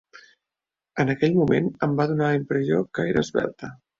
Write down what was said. En aquell moment em va donar la impressió que era esvelta.